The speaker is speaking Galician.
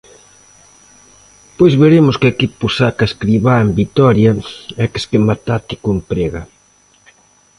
Pois veremos que equipo saca Escribá en Vitoria e que esquema táctico emprega.